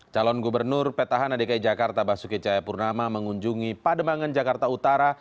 calon gubernur petahan adki jakarta basuki cahaya purnama mengunjungi pademangan jakarta utara